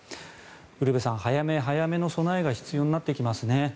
ウルヴェさん早め早めの備えが必要になってきますね。